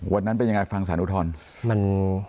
วันนั้นเป็นยังไงฟังสารอุทธรณ์